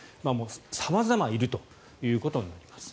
様々いるということになります。